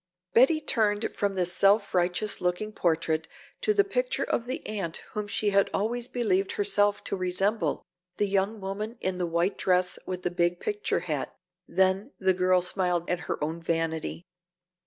Betty turned from this self righteous looking portrait to the picture of the aunt whom she had always believed herself to resemble, the young woman in the white dress with the big picture hat, then the girl smiled at her own vanity.